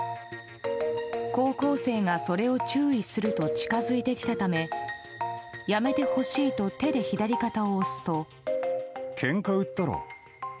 高校生がそれを注意すると近づいてきたためやめてほしいと手で左肩を押すと。